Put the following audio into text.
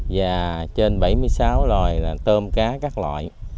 và trên bảy mươi sáu loài là tôm cá các loại